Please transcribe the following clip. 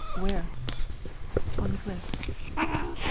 "Where?" "On the cliff."